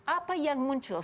apa yang muncul